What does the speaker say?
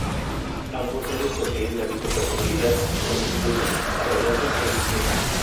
Ambos seres poseen la misma personalidad, los impulsos, arrogancia e ingenio.